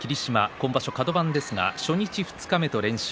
今場所はカド番ですが初日、二日目と連勝。